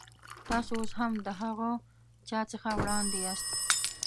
تاسو اوس هم د هغه چا څخه وړاندې یاست.